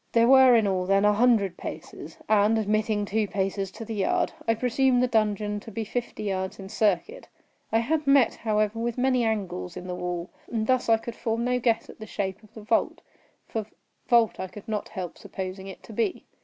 There were in all, then, a hundred paces; and, admitting two paces to the yard, I presumed the dungeon to be fifty yards in circuit. I had met, however, with many angles in the wall, and thus I could form no guess at the shape of the vault, for vault I could not help supposing it to be.